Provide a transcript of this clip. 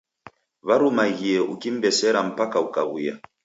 Warumaghie ukim'besera mpaka ukaw'uya.